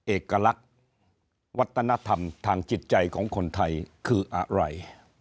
เอกลักษณ์วัฒนธรรมทางจิตใจของคนไทยคืออะไร